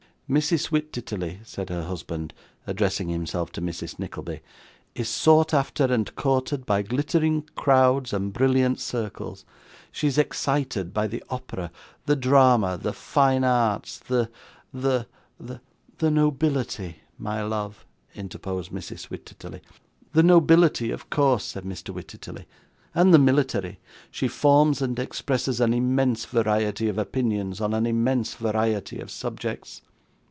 'Mrs. Wititterly,' said her husband, addressing himself to Mrs. Nickleby, 'is sought after and courted by glittering crowds and brilliant circles. She is excited by the opera, the drama, the fine arts, the the the ' 'The nobility, my love,' interposed Mrs. Wititterly. 'The nobility, of course,' said Mr. Wititterly. 'And the military. She forms and expresses an immense variety of opinions on an immense variety of subjects.